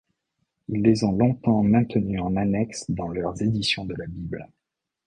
Ils les ont longtemps maintenus en annexe dans leurs éditions de la Bible.